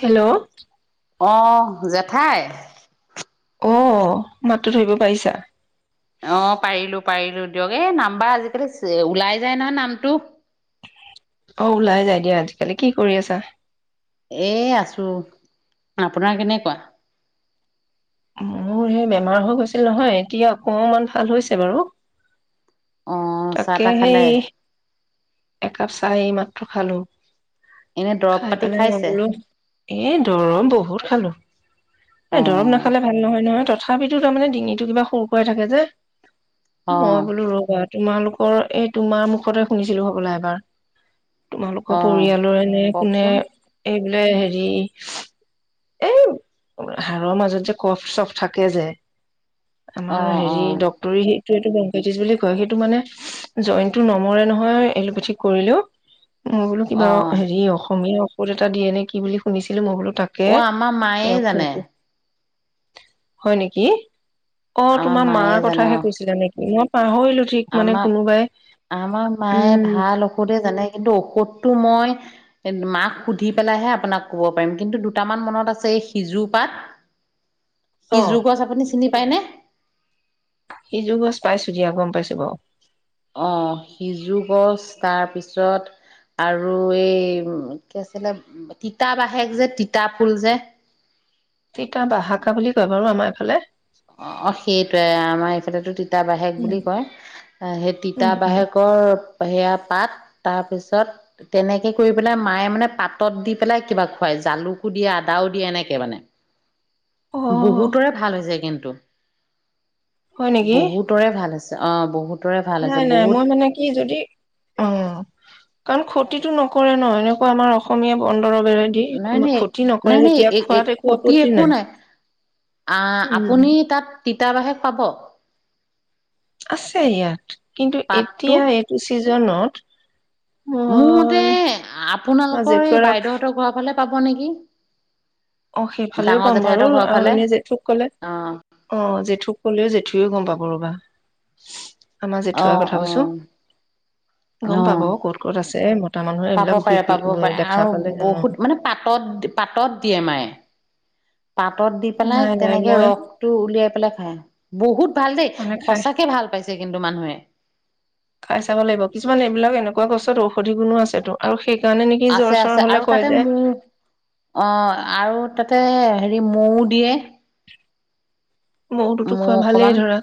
Hello অহ জেঠাই অ মাতটো ধৰিব পাৰিছা অ পাৰিলো পাৰিলো দিয়ক এ নাম্বাৰ আজিকালি ওলাই যায় নহয় নামটো অ ওলাই যাই দিয়া আজিকালি কি কৰি আছা এ আছো আপোনাৰ কেনেকুৱা মোৰ এই বেমাৰ হৈ গৈছিল নহয় এতিয়া অকমান ভাল হৈছে বাৰু অ' চাহ তাকে তাহ খালে সেই একাপ চাহ এমাত খালো এনে দৰৱ খাই পাতি পেলাই খাইছে নগলো এ দৰৱ বহুত খালো এ দৰৱ নাখ অ' নয় নহয় তথাপিতো তাৰমানে ডিঙিতটো কিবা সৰু কৰাই থাকে যে অ' মই বোলো ৰোগ আৰু তোমালোকৰ এই তোমাৰ মুখতে শুনিছিলো সবলা এবাৰ তোমালোকৰ অ' পৰিয়ালৰে এনে কোনে কওকচোন এই বোলে হেৰি এই হাড়ৰ মাজত যে কফ চফ থাকে যে আমাৰ অ' হেৰি অ' ড্ক্তৰী এইটো বেংকাইটিছ বুলি কয় সেইটো মানে জইনটো নমৰে নহয় এলোপেথিক কৰিলেও মই বোলো কিবা অ' হেৰি অসমীয়া এটা দিয়ে নেকি বুলি শুনিছিলো মইবোলো অ আমাৰ মায়ে জানে হয় নেকি অ আমাৰ তোমাৰ মায়ে মাৰ জানে কথাহে অ' কৈছিলা নেকি ম হয় আমাক আমাৰ মায়ে উম ভাল ঔষধে জানে কিন্তু ঔষধটো মই মাক সুধি পেলাইহে আপোনাক ক'ব পাৰিম কিন্তু দুটামান মনত আছে এই সিজু পাত অ সিজোৰ গছ আপুনি চিনি পায়নে সিজোৰ গছ পাইছোঁ দিয়া গম পাইছোঁ বাৰু অ সিজু গছ তাৰপিছত আৰু এই কি আছিলে তিতা বাহেক যে তিতা ফুল যে তিতা বাহাকা বুলি কয় বাৰু আমাৰ এইফালে অ অ সেইটয়ে আমাৰ ইফালেতো তিতাবাহেক উম বুলি কয় সেই উম উম তিতাবাহেকৰ সেয়া পাত তাৰ পিছত তেনেকে কৰি পেলাই মায়ে মানে পাতত দি পেলাই কিবা খুৱাই জালুকো দিয়ে আদাও দিয়ে এনেকে মানে অ বহুতৰে ভাল যায় কিন্তু হয় তম নেকি বহুতৰে ভাল আছে অ বহুত ভাল হৈছে নাই নাই মই মানে কি যদি অ কাৰণ ক্ষতিতটো নকৰে ন এনেকুৱা আমাৰ অসমীয়া বন। দৰৱেৰেদি নাই নাই ক্ষতি নকৰে নাই নাই যেতিয়া খোৱাত একো ক্ষতি আপত্তি একো নাই আহ উম আপুনি তাত। তিতাবাহেক পাব। আছে ইয়াত কিন্তু পাতটো এতিয়া এইটো ছিজনত। মোৰ মতে মই মই আপোনালোকৰ এই জেঠুৰাক বাইদেউহঁতৰ ঘৰৰ ফালে। পাব নেকি। অ সেইফালেও ডাঙৰ পাম বাৰু জেঠাইহঁতৰ ঘৰৰ আৰু ফালে এনে জেঠুক ক'লে অ অ জেঠুক কলেও জেঠু তেওঁ গম পাব ৰবা আমাৰ অ জেঠুৱা কথা অ কৈছো গম অ পাব ক'ত ক'ত আছে। হে ম পাব পাৰে পাব পাৰে আৰু অ বহুত মানে পাতত পাতত দিয়ে মায়ে। পাতত দি পেলাই নাই নাই তেনেকে মই ৰস টো উলিয়াই। পেলাই খাই বহুত। ভাল দেই মানে খাই সঁচাকে ভাল পাইছে কিন্তু মানুহে। কোৱা গছত ঔষধি গুণো আছেতো আৰু সেই আছে আছে আৰু তাতে মোৰ অ আৰু তাতে হেৰি। মৌ দিয়ে। বহুতোতো মৌ খোৱা ভালেই অকমান ধৰা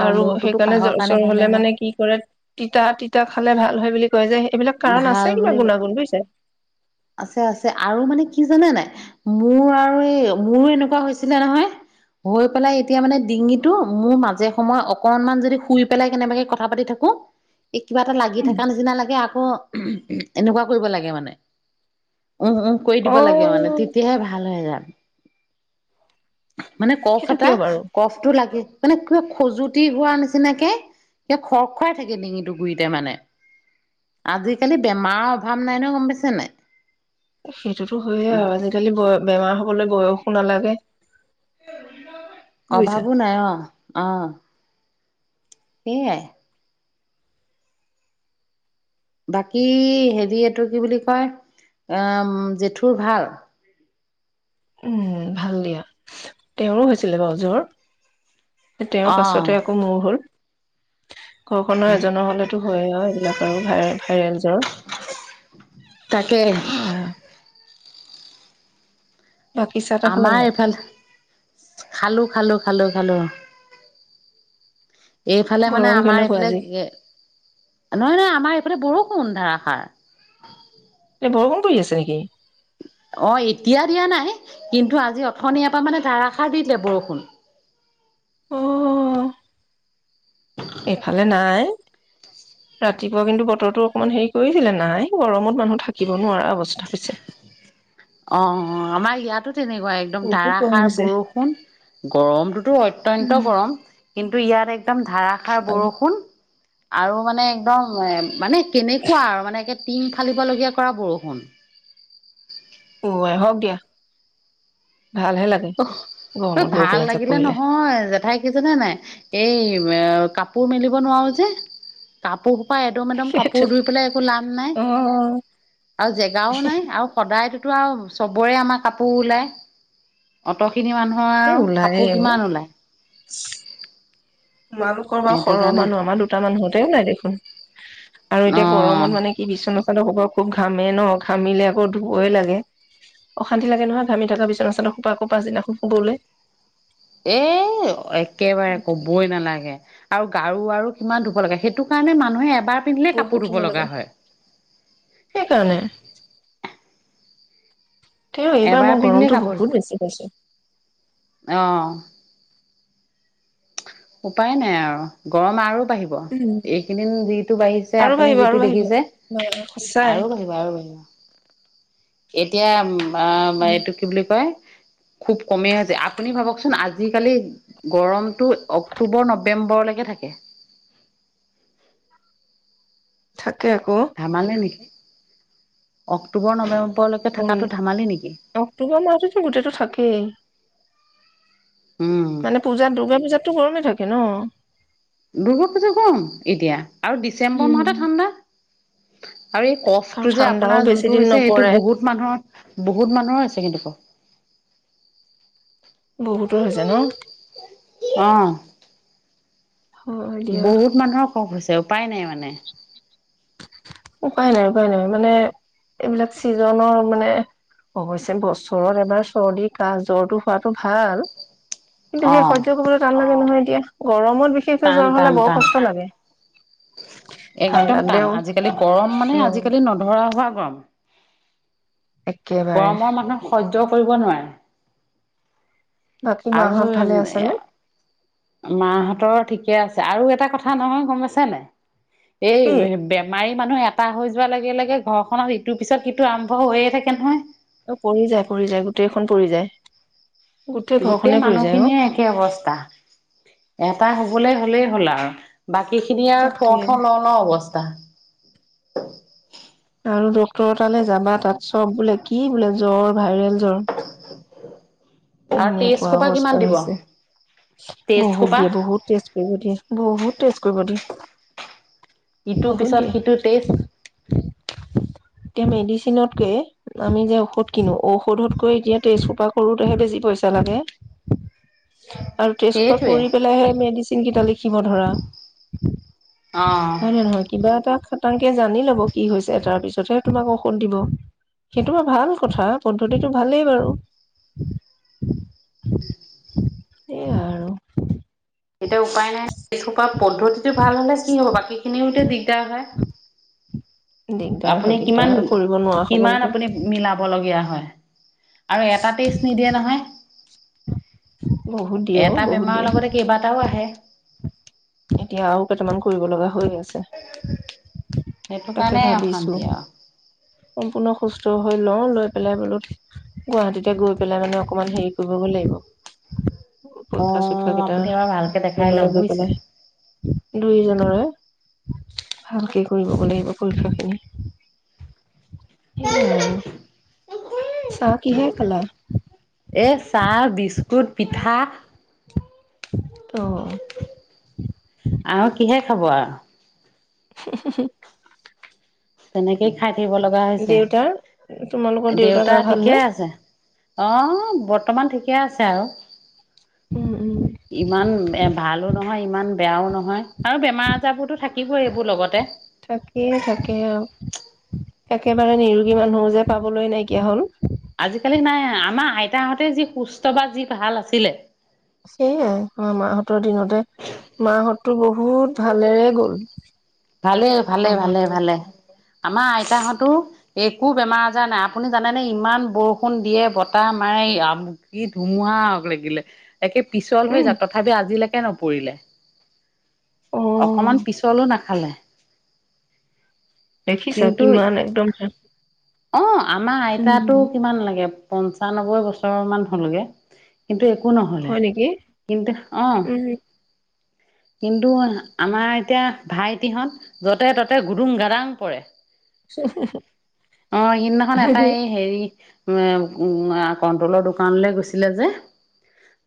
অ আৰু মূৰটোতো সেইকাৰণে কাহৰ জ্বৰ কাৰণে চৰ ভালে হলে হয় মানে কি কৰে তিতা তিতা খালে ভাল হয় বুলি। কয় যে এইবিলাক কাৰণ আছে ভাল কিবা বুলি গুণাগুণ বুজিছে আছে আছে আৰু মানে কি জানে নাই। মোৰ আৰু আৰু মোৰো এনেকুৱা হৈছে। ছিলে নহয়। হৈ পেলাই এতিয়া মানে ডিঙিটো মোৰ মাজে সময় অকনমান যদি শুই পেলাই কেনেবাকে কথা পাতি থাকো। এই কিবা এটা লাগি থকা নিচিনা লাগে। আকৌ এনেকুৱা কৰিব লাগে মানে। উম উম কৰি অ দিব লাগে মানে তেতিয়াহে ভাল হৈ যায়। মানে কফ সেইটো এটা কিয় বাৰু কফটো লাগি মানে কিবা খজুতি হোৱা নিচিনাকে স খৰ খুৱাই থাকে ডিঙিটো গুৰিতে মানে আজিকালি বেমাৰৰ অভাৱ নাই ন গম পাইছে নাই সেইটোতো হয়য়ে আৰু আজিকালি বয় বেমাৰ হবলৈ বয়স। একো নালাগে। বুজিছা অভাবো নাই অ। অঁ। সেয়াই। বাকী হেৰি এইটো কি বুলি কয়, আহ জেঠুৰ ভাল? উম। ভাল দিয়া তেওঁৰো হৈছিলে বাৰু জ্বৰ। তেওঁৰ অ পাছতে আকৌ মোৰ হল। ঘৰখনৰ এজনৰ হলেতো হয়ে আৰু এইবিলাক আৰু ভাইয়ে ভাইৰেল জ্বৰ। তাকে। এয়া বাকী চাহ তাহ খালা আমাৰ নাই এইফালে, খালো খালো খালো খালো। এইফালে মানে গৰম আমাৰ কেনেকুৱা এইফালে আজি নহয় নহয় আমাৰ এইফালে বৰষ কোন ধাৰাখাৰ এ বৰষুণ পৰি আছে নেকি? অ এতিয়া দিয়া নাই, কিন্তু আজি অথনিয় পা মানে ধাৰষাৰ দি দিলে বৰষুণ। অ এইফালে নাই। ৰাতিপুৱা কিন্তু বতৰটো অকমান হেৰি কৰিছিলে, নাই গৰমত মানুহ থাকিব নোৱাৰা অৱস্থা হৈছে। অ আমাৰ ইয়াতো তেনেকুৱা একদম বহুত গৰম ধাৰাসাৰ হৈছে বৰষুণ, গৰমটোতো অত্যন্ত উম। গৰম। কিন্তু ইয়াত এক ধাৰষাৰ বৰষুণ। আৰু মানে একদম এ মানে কেনেকুৱা আৰু মানে টিং ফালিবলগীয়া কৰা বৰষুণ। অ আ হওক দিয়া। ভালহে লাগে অ এই গৰমত ভাল বৰষুণ এজাক লাগিলে পৰিলে। নহয় জেঠাই কি জানে নাই? এই এ কাপোৰ মেলিব নোৱাৰোঁ যে। কাপোৰ এদম এদম কাপোৰ ধুই পেলাই একো লাভ নাই অ'। আৰু জেগাও নাই আৰু সদায় টো আৰু চবৰে আমাৰ কাপোৰ ওলায়। অত এইখিনি মানুহৰ এ আৰু ওলায়ে কাপোৰ অ', কিমান ওলায়। তোমালোকৰ বাৰু সৰহ মানুহ, আমাৰ দুটা মান হ‌ওঁতে নাই দেখোন। আৰু অ এতিয়া গৰমত মানে কি বিচনা চাদ হোপা খুব ঘামে ন ঘামিলে আকৌ ধুবই লাগে। অশান্তি লাগে নহয় ঘামি থকাৰ পিছত বিচনা চাদৰ সোপা পাছদিনাখনো শুবলৈ। এ একেবাৰে কবই নালাগে। আৰু গাৰু আৰু কিমান ধুব লাগে সেইটো কাৰণে মানুহে এবাৰ পিন্ধিলে কাপোৰ বহুত ধুব শুব লাগে। লগা হয় সেইকাৰণে। তেও এইবাৰ এবাৰ মই পিন্ধিলে গৰমটো কাপোৰ বহুত বেছি পাইছোঁ। অ', উপায় নাই আৰু গৰম আৰু বাঢ়িব উম। এইকেইদিন যিটো বাঢ়িছে আৰু আপুনি বাঢ়িব আৰু যিটো বাঢ়িব দেখিছে সঁচাই আৰু বাঢ়িব আৰু বাঢ়িব এতিয়া উম বা বা এইটো কি বুলি কয় খুব কমেই আছে আপুনি ভাবকচোন আজিকালি গৰম অক্টোবৰ নৱেম্বৰলৈকে থাকে থাকে থাকে আকৌ ধেমালি নেকি অক্টোবৰ নৱেম্বৰ অক্টোবৰ মাহতটো গোটেইটো থাকেই উম, মানে পূজা দুৰ্গা পূজাতটো সৰুকে থাকে ক ন দুৰ্গা পুজা কম এতিয়া আৰু ডিচেম্বৰ মাহতে ঠাণ্ডা উ আৰু এই আৰু কফটো যে ঠাণ্ডাও আপোনাৰ বেছি যোনটো দিন হৈছে সেইটো নপৰে বহুত মানুহৰ বহুত মানুহৰ হৈছে কিন্তু ক বহুতৰ হৈছে ন আহ অঁ দিয়া কফ হৈছে উপায় নাই মানে উপায় নাই উপায় নাই মানে এইবিলাক চিজনৰ মানে অৱশ্যে বছৰত এবাৰ চৰ্দি কাহ জ্বৰটো হোৱাতটো ভাল কিন্তু সেই অ'। সৈৰ্য্য কৰিবলৈ টান লাগে নহয় এতিয়া গৰম ত বিশেষকে টান জ্বৰ টান হলে বৰ টান কষ্ট লাগে একদম ঠাণ্ডাত টান দেও আজিকালি গৰম মানে উম আজিকালি নধৰা অ গম একেবাৰে গৰমৰ মানুহ সজ কৰিব নোৱাৰে বাকী আৰু মাহঁত ভালে আছেনে মাহঁতৰ ঠিকে আছে আৰু এটা কথা নহয় গম আছে নে এই কি বেমাৰি মানুহে কটা হৈ যোৱাৰ লগে লগে ঘৰখনত ইটোৰ পিছত সিটো আৰম্ভ হৈয়ে থাকে নহয় অ পৰি যায় পৰি যায় গোটেইখন পৰি যায় গোটেই ঘৰখনে পৰি যায় অ মানুহখিনিৰে একেই অৱস্থা এটা হবলৈ হ'লে হ'ল আৰু বাকীখিনি আৰু থওঁ তাকে থওঁ ল ল অৱস্থা অ আৰু ডক্টৰ তালৈ যাবা তাত চব বোলে কি বোলে জ্বৰ ভাইৰেল জ্বৰ অ এনেকুৱা অৱস্থা হৈছে টেষ্ট বহুত সোপা দিয়ে বহুত টেষ্ট কৰিব দিয়ে বহুত টেষ্ট কৰিব দিয়ে ইটোৰ বহুত পিছত দিয়ে সিটো টেষ্ট এতিয়া মেডিচিনতকে আমি যে ঔষধ কিনো ঔষধতকৈ এতিয়া তেজ চোপা কৰো তোৰ হে বেছি পইচা লাগে আৰু টেষ্ট হোপা সেইটোৱে কৰি পেলাইহে মেডিচিন যিকেইটা লিখিব ধৰা অ হয় নে নহয় কিবা এটা তেওঁলোকে জানি লব কি হৈছে তাৰ পিছতহে তোমাক ঔষধ দিব সেইটো বোৰ ভাল কথা পদ্ধতিটো ভালেই বাৰু উম উম এই আৰু এতিয়া উপায় নাই এইহোপা পদ্ধতিটো ভাল হলে কি হ'ব বাকী খিনিতে দিগদাৰ হয় দিগদাৰ হয় আপুনি দিগদাৰ কিমান হয় কৰিব নোৱাৰা কিমান সকলতো আপুনি মিলাব লগীয়া হয় আৰু এটা টেষ্ট নিদিয়ে নহয় বহুত দিয়ে অ এটা বহুত বেমাৰৰ দিয়ে লগতে কেইবাটাও আহে এতিয়া আৰু কেইটামান কৰিব লগা হৈ আছে সেইটো তাকে কাৰণেই ভাবিছো অশান্তি আৰু সম্পূৰ্ণ সুস্থ হৈ লওঁ লৈ পেলাই বোলো গুৱাহাটীতে গৈ পেলাই মানে অকমান হেৰি কৰিবগৈ লাগিব অ পৰীক্ষা চৰীক্ষা কেইটা আপুনি এবাৰ ভালকে দেখাই দুইজনৰে লওক গৈ বুজিছে পেলাই দুইজনৰে ভালকে কৰি লব লাগিব পৰীক্ষাখিনি সেইয়াই আৰু চাহ কিহে খালা এ চাহ বিস্কুট পিঠা উম অ' উম উম হব আৰু হে হে তেনেকেই খাই থাকিব লগা হৈছে দেউতাৰ তোমালোকৰ দেউতা গা ভালনেে আহ বৰ্তমান ঠিকে আছে আৰু উম উম ইমান এ ভালো নহয় ইমান বেয়াও নহয় আৰু বেমাৰ আজাৰ বোৰতো থাকিবই এইবোৰ লগতে থাকেই থাকে আৰু একেবাৰে নিৰোগী মানুহ যে পাবলৈ নাইকিয়া হল আজিকালি নাই আমাৰ আইতাহঁতে যি সুস্থ বা যি ভাল আছিলে সেইয়াই অ মাহঁতৰ দিনতে মাহঁতটো বহুত ভালেৰে গল ভালে ভালে আমাৰ ভালে আৰু ভালে আমাৰ আইতাহঁতো একো বেমাৰ আজাৰ নাই আপুনি জানেনেে ইমান বৰষুণ দিয়ে বতাহ মাৰে আম ধুমুহা লাগিলে একে পিছল হৈ উম যাওঁ তথাপি আজিলৈকে এ নপৰিলে অ অকমান পিছলো নাখ খালে দেখিছা কিমান একদম চ অঁ আমাৰ আইতাতো কিমান লাগে পঞ্চানবৈ বছৰ মান হ'লগে কিন্তু এক একো নহ'লে হয় নেকি কিন্তু অ উম কিন্তু আমাৰ এতিয়া ভাইটিহঁত যতে ততে গুদুং গাাদাং পৰে অঁ সিদিনাখন এটাই হেৰি উ উ কণ্ট্ৰলৰ দোকানলৈ গৈছিলে যে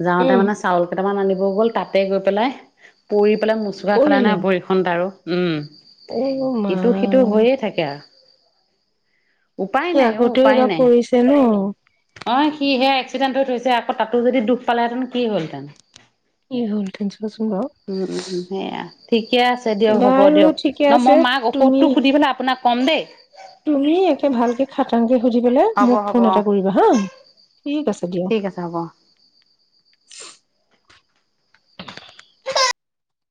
যাওঁতে উম মানে চাউল কটামান আনিব গ'ল তাতে গৈ পেলাই পৰি মোচোকা পৰিলে খানে পৰি আৰু উম অ মা ইটো সিটো হৈয়ে থাকে আৰু উপায় সি নাই অ আগতেও উপায় এবাৰ নাই পৰিছে ন অ সিহে চিদেন্ত টো হৈছে আকৌ তাতো যদি দুখ পালেহেঁতেন কি হলহেতেন কি হ'ল নচনাচোন বাৰু ঠিক ঠিকে আছে দিয়ক হ'ব বাৰু দিয়ক ঠিকে ন আছে মই মাক তুমি ঔষধতটো সুধি পেলাই আপোনাক কমদে তুমি একে ভালকে খাটাংকে সুধি বলৈ হ'ব মোক হ'ব ফোন অ এটা কৰিবা হা ঠিক আছে দিয়া ঠিক আছে হ'ব